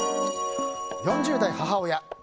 ４０代母親。